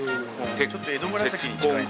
ちょっと江戸紫に近い。